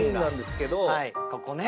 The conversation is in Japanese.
ここね。